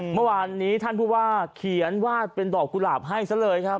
เมื่อวานนี้ท่านผู้ว่าเขียนวาดเป็นดอกกุหลาบให้ซะเลยครับ